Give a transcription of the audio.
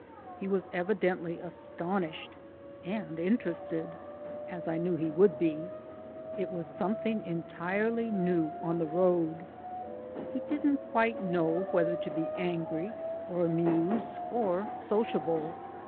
He was evidently astonished and interested, as I knew he would be: it was something entirely new on the road. He didn't quite know whether to be angry, or amused, or sociable.